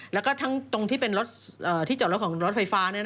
แล้วก็ทั้งตรงที่เป็นรถที่จอดรถของรถไฟฟ้า